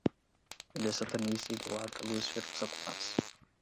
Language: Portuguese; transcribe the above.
Ele é satanista e idolatra Lucifer ou Satanás